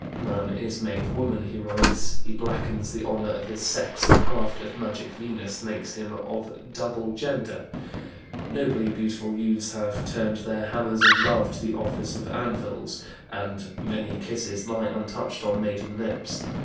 "Man is made woman," he writes; "he blackens the honor of his sex, the craft of magic Venus makes him of double gender"; nobly beautiful youths have "turned their hammers of love to the office of anvils," and "many kisses lie untouched on maiden lips."